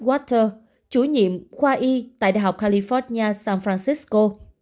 water chủ nhiệm khoa y tại đại học california san francisco